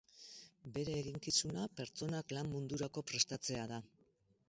Bere eginkizuna pertsonak lan mundurako prestatzea da.